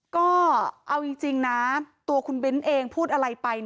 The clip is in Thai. ก็เอาจริงนะตัวคุณเบ้นเองพูดอะไรไป